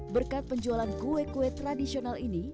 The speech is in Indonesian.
berkat penjualan kue kue tradisional ini